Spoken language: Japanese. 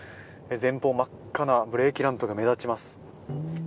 前方、真っ赤なブレーキランプが目立ちます。